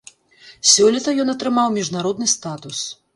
Сёлета ён атрымаў міжнародны статус.